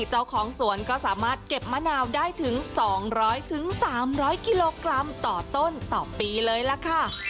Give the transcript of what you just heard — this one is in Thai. เจ้าของสวนก็สามารถเก็บมะนาวได้ถึง๒๐๐๓๐๐กิโลกรัมต่อต้นต่อปีเลยล่ะค่ะ